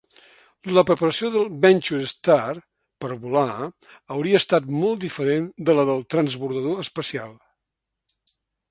La preparació del VentureStar per volar hauria estat molt diferent de la del transbordador espacial.